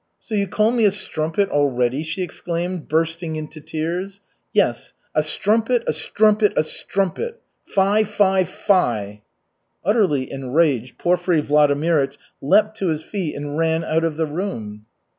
"So you call me a strumpet already?" she exclaimed, bursting into tears. "Yes, a strumpet, a strumpet, a strumpet! Fie, fie, fie!" Utterly enraged, Porfiry Vladimirych leapt to his feet and ran out of the room.